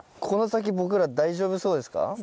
この先僕ら大丈夫そうですか？